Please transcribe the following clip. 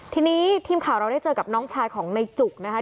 ทีนี้ทีมข่าวเราได้เจอกับน้องชายของในจุกนะคะ